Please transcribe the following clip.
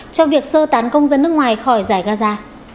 cho việc sơ tán công dân nước ngoài khỏi giải gaza